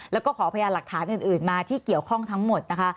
แล้วก็ขอพยานหลักฐานอื่นมาที่เกี่ยวข้องทั้งหมดนะคะ